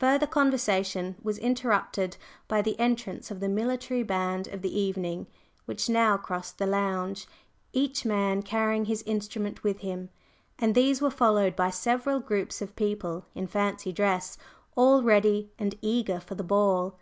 Further conversation was interrupted by the entrance of the military band of the evening, which now crossed the "lounge," each man carrying his instrument with him; and these were followed by several groups of people in fancy dress, all ready and eager for the ball.